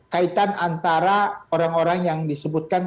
kaitan antara orang orang yang disebutkan